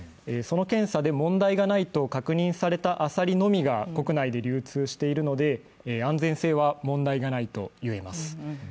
その検査で問題がないと確認されたアサリのみが国内で流通しているので、安全性は問題がないと言えます。